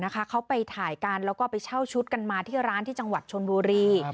เขาไปถ่ายกันแล้วก็ไปเช่าชุดกันมาที่ร้านที่จังหวัดชนบุรี